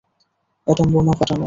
Atom বোমা ফাটানো!